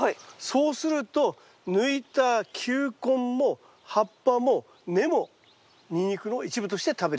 そうすると抜いた球根も葉っぱも根もニンニクの一部として食べれる。